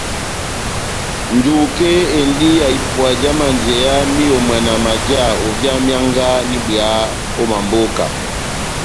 Njuke endi ya ipuwa já manjeya m'iyomwana maja ovia mianga n'ibweya ó mamboka.